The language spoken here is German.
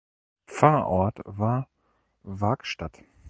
Pfarrort war Wagstadt.